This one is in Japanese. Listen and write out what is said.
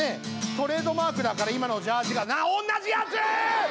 トレードマークだから今のジャージがおんなじやつ！